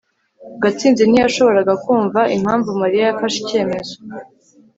gatsinzi ntiyashoboraga kumva impamvu mariya yafashe icyemezo